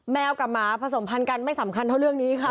แมวกับหมาผสมพันธ์กันไม่สำคัญเท่าเรื่องนี้ค่ะ